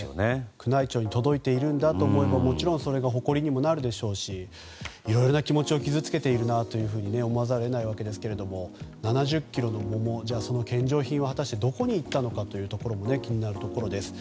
宮内庁に届いていると思えばもちろんそれも誇りにもなるでしょうしいろいろな気持ちを傷つけているなと思わざるを得ないわけですが７０ｋｇの桃、献上品は果たしてどこに行ったのかも気になるところです。